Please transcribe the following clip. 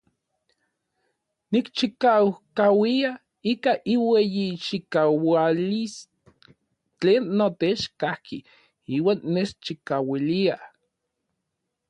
Nikchikaukauia ika iueyichikaualis tlen notech kajki iuan nechchikauilia.